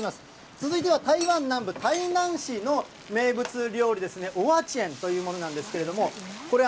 続いては、台湾南部、台南市の名物料理ですね、オアチェンというものなんですけれども、これ、